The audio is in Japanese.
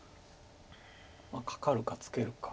カカるかツケるか。